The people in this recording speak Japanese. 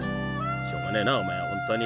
［しょうがねえなお前はホントに］